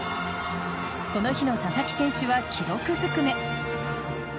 この日の佐々木選手は記録ずくめ。